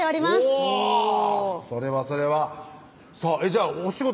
うわそれはそれはじゃあお仕事